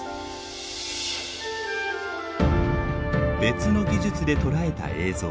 別の技術でとらえた映像。